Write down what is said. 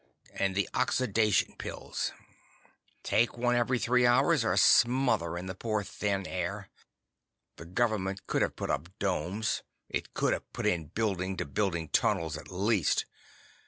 And the oxidation pills; take one every three hours or smother in the poor, thin air. The government could have put up domes; it could have put in building to building tunnels, at least.